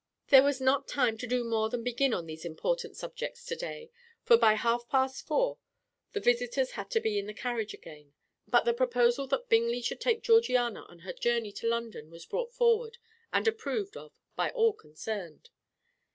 There was not time to do more than begin on these important subjects to day, for by half past four the visitors had to be in the carriage again; but the proposal that Bingley should take Georgiana on her journey to London was brought forward and approved of by all concerned.